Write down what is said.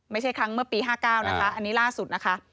ไม่ใช่ครั้งเมื่อปี๕๙นะคะอันนี้ล่าสุดนะคะ